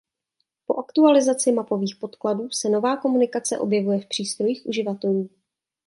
Po aktualizaci mapových podkladů se nová komunikace objevuje v přístrojích uživatelů.